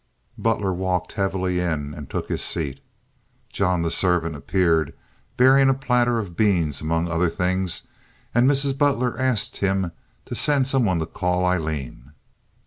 Butler walked heavily in and took his seat. John, the servant, appeared bearing a platter of beans among other things, and Mrs. Butler asked him to send some one to call Aileen.